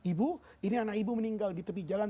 ibu ini anak ibu meninggal di tepi jalan